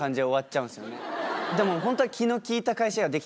でもホントは。